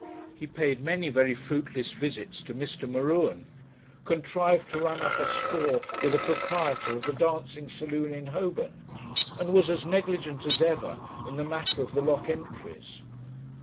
He paid many very fruitless visits to Mr. M'Ruen; contrived to run up a score with the proprietor of the dancing saloon in Holborn; and was as negligent as ever in the matter of the lock entries.